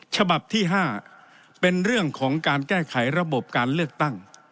ฉบับที่๕เป็นเรื่องของการแก้ไขระบบการเลือกตั้ง